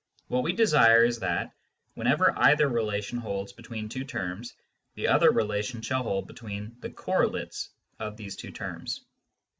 What we desire is that, whenever either relation holds between two terms, the other relation shall hold between the correlates of these two terms.